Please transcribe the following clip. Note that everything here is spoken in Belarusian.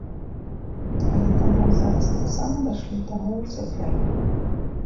Але там вам зараз таксама дашлюць дамову цяпер.